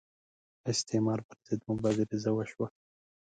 استعمار پر ضد مبارزه وشوه